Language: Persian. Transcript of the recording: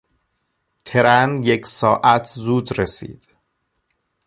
ترن یک ساعت زود رسید.